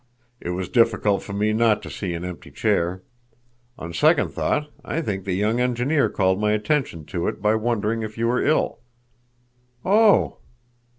"It was difficult for me not to see an empty chair. On second thought, I think the young engineer called my attention to it by wondering if you were ill." "Oh!"